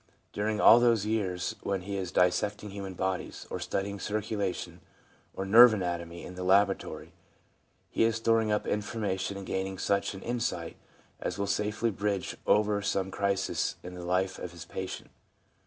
During all those years when he is dis secting human bodies, or studying circulation or nerve anatomy in the laboratory, he is storing up information and gaining such an insight as will safely bridge over some crisis in the life of his patient.